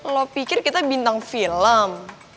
lo pikir kita bintang film